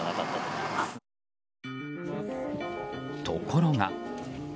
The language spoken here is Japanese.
ところが。